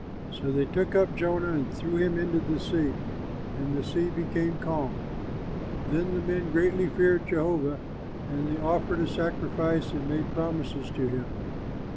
So they took up Jonah, and threw him into the sea; and the sea became calm. Then the men greatly feared Jehovah, and they offered a sacrifice and made promises to him.